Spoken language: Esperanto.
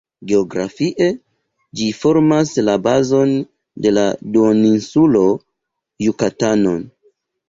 Geografie ĝi formas la bazon de la duoninsulo Jukatano.